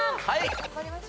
はい！